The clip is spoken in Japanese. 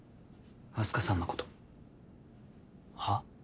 あす花さんのことはっ？